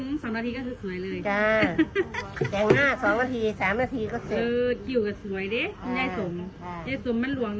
๒นาทีตอนครีมของแง่งหน้า๓นาทีก็เสร็จ